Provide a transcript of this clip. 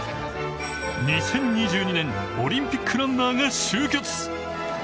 ２０２２年、オリンピックランナーが集結。